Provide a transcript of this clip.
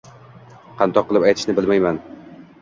Qandoq qilib aytishni bilmayman